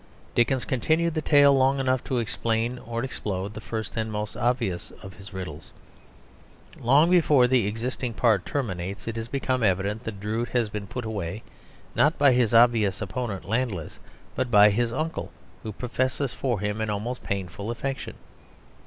Dickens continued the tale long enough to explain or explode the first and most obvious of his riddles. Long before the existing part terminates it has become evident that Drood has been put away, not by his obvious opponent, Landless, but by his uncle who professes for him an almost painful affection.